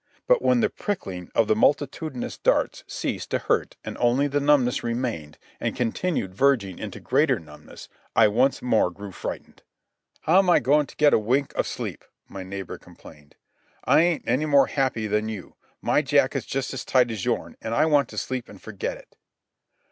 But when the prickling of the multitudinous darts ceased to hurt and only the numbness remained and continued verging into greater numbness I once more grew frightened. "How am I goin' to get a wink of sleep?" my neighbour complained. "I ain't any more happy than you. My jacket's just as tight as yourn, an' I want to sleep an' forget it."